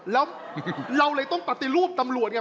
แล้วเราเลยต้องปฏิรูปตำรวจไง